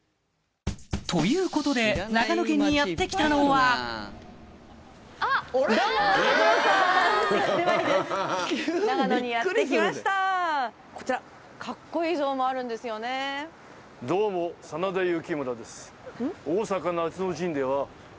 ということで長野県にやって来たのはそうそう。